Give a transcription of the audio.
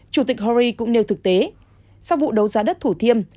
chủ tịch hori cũng nêu thực tế sau vụ đấu giá đất thủ thiêm